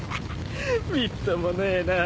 みっともねえなぁ。